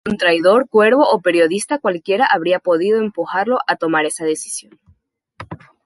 Ningún traidor, cuervo o periodista cualquiera habría podido empujarlo a tomar esa decisión.